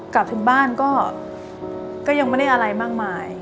กลับถึงบ้านก็ยังไม่ได้อะไรมากมาย